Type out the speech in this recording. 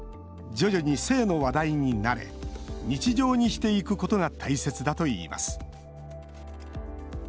徐々に性の話題に慣れ日常にしていくことが大切だといいます。